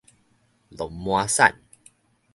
鹿麻產